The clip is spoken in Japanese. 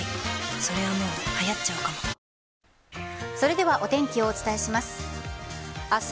それではお天気をお伝えします。